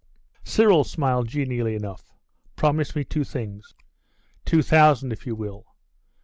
Cyril smiled genially enough. 'Promise me two things.' 'Two thousand, if you will.